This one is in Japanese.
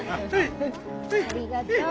ありがとう。